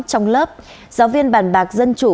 trong lớp giáo viên bàn bạc dân chủ